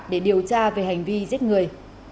để điều tra về hành vi giết người